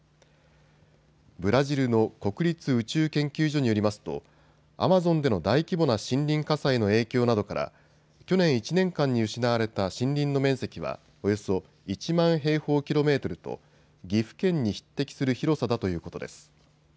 ブラジルの国立宇宙研究所によりますとアマゾンでの大規模な森林火災の影響などから去年１年間に失われた森林の面積は、およそ１万平方キロメートルと岐阜県に匹敵する広さだということです。